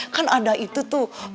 kan ada itu tuh